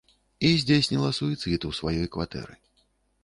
І здзейсніла суіцыд у сваёй кватэры.